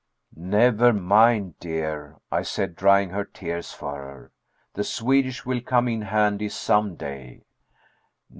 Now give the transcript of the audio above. "Never mind, dear," I said, drying her eyes for her; "the Swedish will come in handy some day."